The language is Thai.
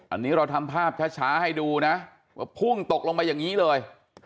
อันนี้เราทำภาพช้าให้ดูนะว่าพุ่งตกลงไปอย่างนี้เลย